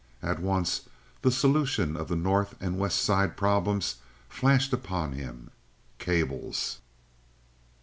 At once the solution of the North and West Side problems flashed upon him—cables.